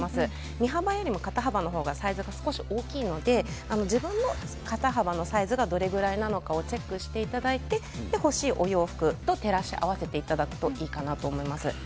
身幅よりも体の方がサイズが少し大きいので自分の肩幅のサイズがどれくらいなのかチェックしていただいて欲しいお洋服と照らし合わせていただくといいかなと思います。